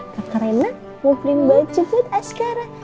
kakarena mau pilih baju buat askara